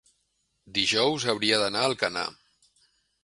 dijous hauria d'anar a Alcanar.